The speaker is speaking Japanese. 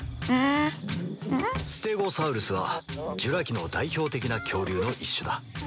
ステゴサウルスはジュラ紀の代表的な恐竜の一種だ